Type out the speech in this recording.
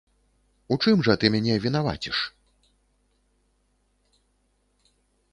У чым жа ты мяне вінаваціш?